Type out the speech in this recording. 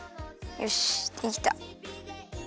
よしできた。